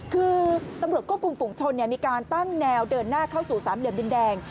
คือตำรวจควบคุมฝุงชนมีการตั้งแนวเดินหน้าเข้าสู่สามเหลี่ยมดินแดง